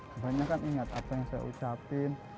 kebanyakan ingat apa yang saya ucapin